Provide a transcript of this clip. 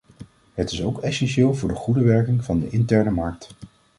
Het is ook essentieel voor de goede werking van de interne markt.